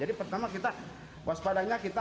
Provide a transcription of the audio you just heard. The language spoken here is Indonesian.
pertama kita waspadanya kita